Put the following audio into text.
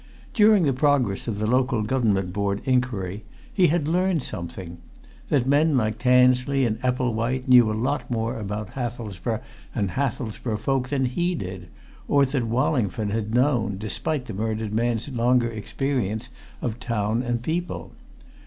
During the progress of the Local Government Board inquiry he had learned something: that men like Tansley and Epplewhite knew a lot more about Hathelsborough and Hathelsborough folk than he did, or than Wallingford had known, despite the murdered man's longer experience of town and people.